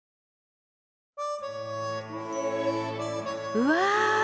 うわ！